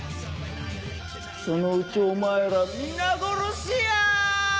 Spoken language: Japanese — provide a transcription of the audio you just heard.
そのうちお前ら皆殺しや！